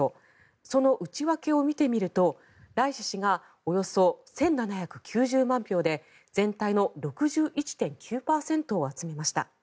その内訳を見てみるとライシ師がおよそ１７９０万票で全体の６１．９％を集めました。